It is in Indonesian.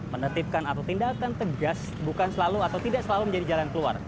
menetipkan atau tindakan tegas bukan selalu atau tidak selalu menjadi jalan keluar